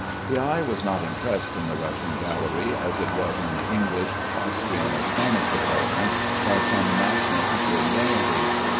The eye was not impressed in the Russian gallery, as it was in the English, Austrian, or Spanish departments, by some national peculiarity.